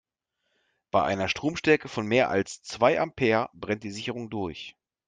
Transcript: Bei einer Stromstärke von mehr als zwei Ampere brennt die Sicherung durch.